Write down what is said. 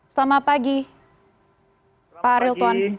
selamat pagi pak riltuan